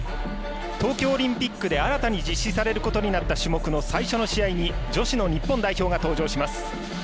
東京オリンピックで新たに実施されることになった種目の最初の試合に女子の日本代表が登場します。